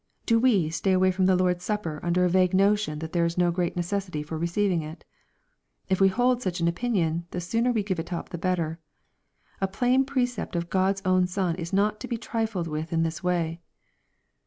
Do we stay away from the Lord's Supper under a vague notion that there is no great necessity for receiving it ? If we hold such an opinion, the sooner we give it up the better. A plain precept of God's own Son is not to be trifled with in this way.